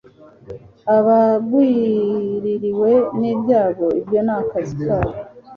abagwiririwe n'ibyago, ibyo ni akazi kabo